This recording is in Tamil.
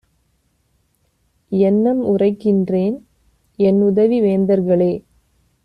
எண்ணம் உரைக்கின்றேன்! என்உதவி வேந்தர்களே